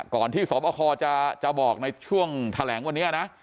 ก่อนที่สณ์พอคจะบอกในช่วงแทลงวันนี้